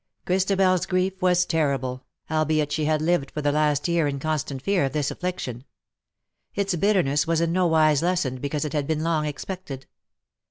ChristabeFs grief was terrible, albeit she had lived for the last year in constant fear of this affliction. Its bitterness was in no wise lessened because it had been long expected.